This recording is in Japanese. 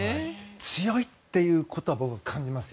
強いということを僕は感じます。